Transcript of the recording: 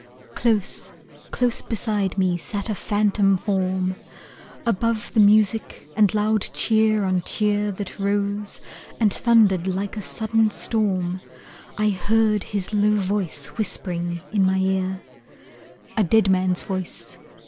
Close, close beside me, sat a phantom form; Above the music and loud cheer on cheer That rose, and thundered like a sudden storm, I heard his low voice whispering in my ear. A dead man's voice.